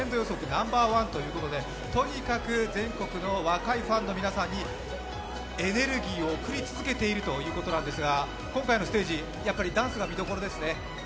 ナンバーワンということでとにかく全国の若いファンの皆さんにエネルギーを贈り続けているということですが今回のステージ、やはりダンスが見どころですね？